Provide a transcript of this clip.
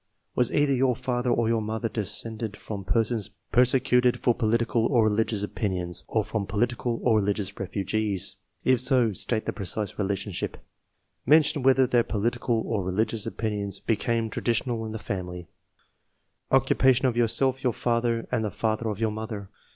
Was either your father or your mother descended from persons persecuted for political or reKgious opinions, or from political or religious refugees ? If so, state the precise relationship. Mention whether their political or religious opinions became traditional in the family. Occupation of yourself, your father, and the father of your mother?